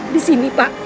di sini pak